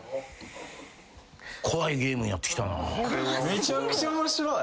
めちゃくちゃ面白い。